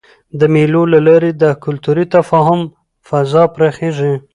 د مېلو له لاري د کلتوري تفاهم فضا پراخېږي.